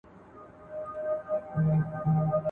ورسره به وي د ګور په تاریکو کي.